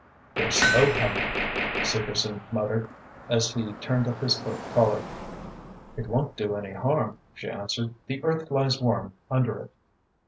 "There's snow coming," Segerson muttered, as he turned up his coat collar. "It won't do any harm," she answered. "The earth lies warm under it."